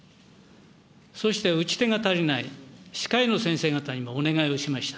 そして打ち手が足りない、歯科医の先生方にもお願いをしました。